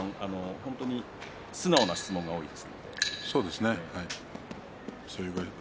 本当に素直な質問が多いです。